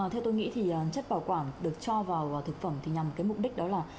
theo tôi nghĩ thì chất bảo quản được cho vào thực phẩm thì nhằm cái mục đích đó là